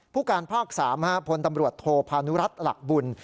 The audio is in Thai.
ผู้การภาค๓พลตำรวจโทพานุรัติหลักบุญ